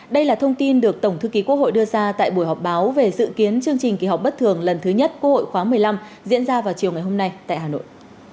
đây là thông tin được tổng thư ký quốc hội đưa ra tại buổi họp báo về dự kiến chương trình kỳ họp bất thường lần thứ nhất quốc hội khóa một mươi năm diễn ra vào chiều ngày hôm nay tại hà nội